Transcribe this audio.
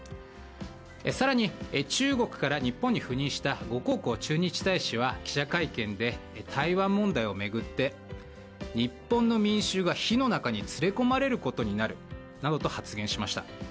更に、中国から日本に赴任したゴ・コウコウ駐日大使は記者会見で台湾問題を巡って日本の民衆が火の中に連れ込まれることになるなどと発言しました。